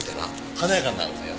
華やかになるわよ。